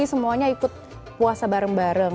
semuanya ikut puasa bareng bareng